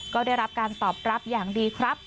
ก็ได้รับการตอบรับอย่างดีครับ